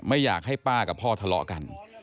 ไม่อยากให้ป้ากับพ่อทะเลาะกัน